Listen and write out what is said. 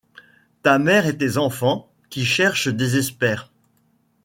Ta mère et tes enfants. Qui cherche désespère.